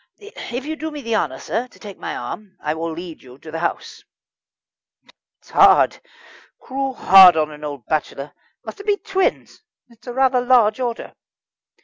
"If you'd do me the honour, sir, to take my arm, I would lead you to the house." "It's hard cruel hard on an old bachelor. Must it be twins? It's a rather large order."